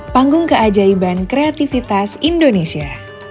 panggung keajaiban kreativitas indonesia